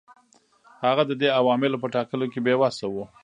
هغه د دې عواملو په ټاکلو کې بې وسه و.